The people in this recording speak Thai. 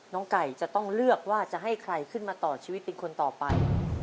ไก่จะต้องเลือกว่าจะให้ใครขึ้นมาต่อชีวิตเป็นคนต่อไป